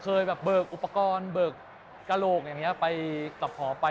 เคยเบิกอุปกรณ์เบิกกระโหลไปกลับพ่อไป